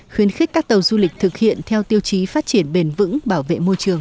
khuyến khích các tàu du lịch thực hiện theo tiêu chí phát triển bền vững bảo vệ môi trường